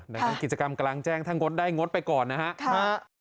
ในกิจกรรมกำลังแจ้งถ้างดได้งดไปก่อนนะฮะ